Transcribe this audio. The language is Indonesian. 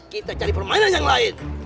kita cari permainan yang lain